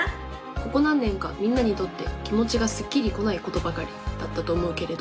「ここ何年かみんなにとってきもちがすっきりこないことばかりだったと思うけれど」。